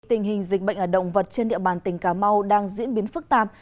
tình hình dịch bệnh ở động vật trên địa bàn tỉnh cà mau đang diễn biến phức tạp